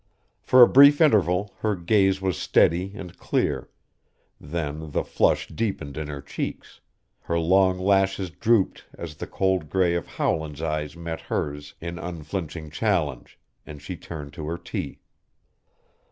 For a brief interval her gaze was steady and clear; then the flush deepened in her cheeks; her long lashes drooped as the cold gray of Howland's eyes met hers in unflinching challenge, and she turned to her tea.